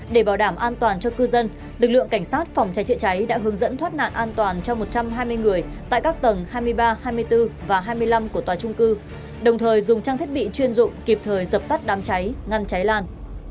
để bảo đảm an toàn cho cư dân lực lượng cảnh sát phòng cháy chữa cháy đã hướng dẫn thoát nạn an toàn cho một trăm hai mươi người tại các tầng hai mươi ba hai mươi bốn và hai mươi năm của tòa trung cư đồng thời dùng trang thiết bị chuyên dụng kịp thời dập tắt đám cháy ngăn cháy lan